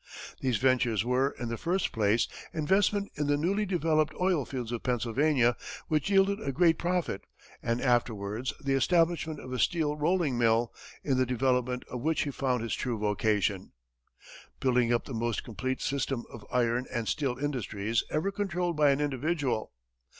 These ventures were, in the first place, investment in the newly developed oil fields of Pennsylvania, which yielded a great profit, and afterwards the establishment of a steel rolling mill, in the development of which he found his true vocation, building up the most complete system of iron and steel industries ever controlled by an individual.